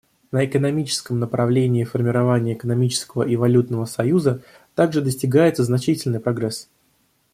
На экономическом направлении формирования экономического и валютного союза также достигается значительный прогресс.